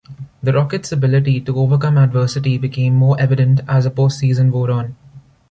The Rockets' ability to overcome adversity became more evident as the postseason wore on.